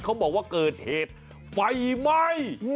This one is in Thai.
เขาบอกว่าเกิดเหตุไฟไหม้